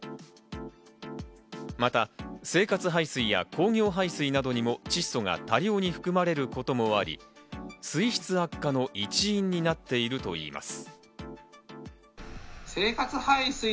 また生活排水や工業排水などにも窒素が多量に含まれることもあり、水質悪化の一因になっているといいます。